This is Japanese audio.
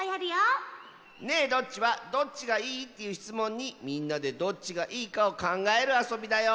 「ねえどっち？」は「どっちがいい？」というしつもんにみんなでどっちがいいかをかんがえるあそびだよ！